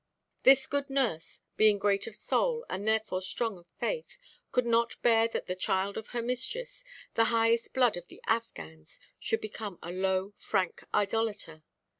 This good nurse, being great of soul, and therefore strong of faith, could not bear that the child of her mistress, the highest blood of the Affghans, should become a low Frank idolater.